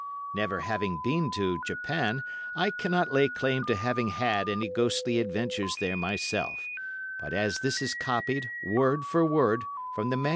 Never having been to Japan, I cannot lay claim to having had any ghostly adventures there myself; but as this is copied, word for word, from the MSS.